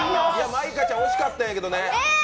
舞香ちゃん惜しかったんやけどね。